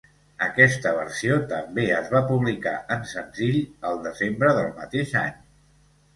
Aquesta versió també es va publicar en senzill el desembre del mateix any.